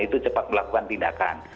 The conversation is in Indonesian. itu cepat melakukan tindakan